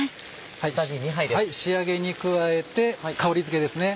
仕上げに加えて香りづけですね。